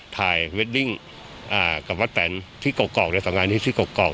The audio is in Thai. ถ่ายเวดดิ้งกับป้าแต่นที่เกาะในส่วนงานที่ที่เกาะ